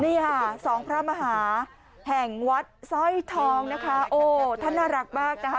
นี่ค่ะสองพระมหาแห่งวัดสร้อยทองนะคะโอ้ท่านน่ารักมากนะคะ